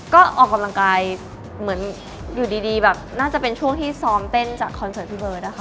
ก็ออกกำลังกายเหมือนอยู่ดีแบบน่าจะเป็นช่วงที่ซ้อมเต้นจากคอนเสิร์ตพี่เบิร์ตนะคะ